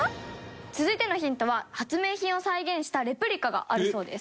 続いてのヒントは発明品を再現したレプリカがあるそうです。